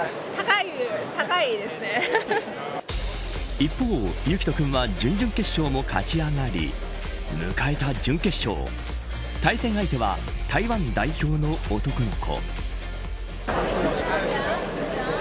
一方、雪兎君は準々決勝も勝ち上がり迎えた準決勝対戦相手は、台湾代表の男の子。